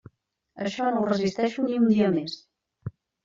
Això no ho resisteixo ni un dia més.